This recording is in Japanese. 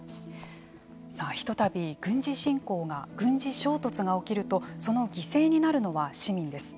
さあ、ひとたび軍事衝突が起きるとその犠牲になるのは市民です。